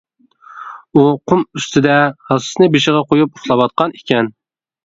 ئۇ قۇم ئۈستىدە ھاسىسىنى بېشىغا قۇيۇپ ئۇخلاۋاتقان ئىكەن.